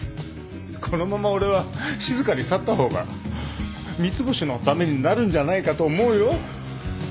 このまま俺は静かに去った方が三ツ星のためになるんじゃないかと思うよ。